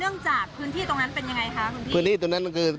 เนื่องจากพื้นที่ตรงนั้นเป็นยังไงคะคุณพี่